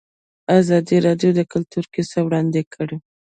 ازادي راډیو د کلتور کیسې وړاندې کړي.